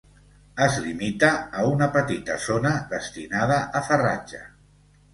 Es limita a una petita zona destinada a farratge.